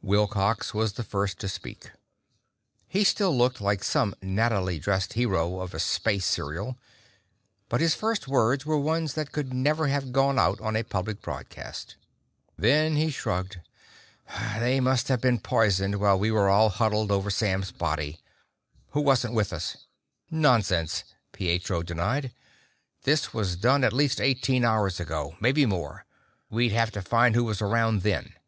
Wilcox was the first to speak. He still looked like some nattily dressed hero of a space serial, but his first words were ones that could never have gone out on a public broadcast. Then he shrugged. "They must have been poisoned while we were all huddled over Sam's body. Who wasn't with us?" "Nonsense," Pietro denied. "This was done at least eighteen hours ago, maybe more. We'd have to find who was around then."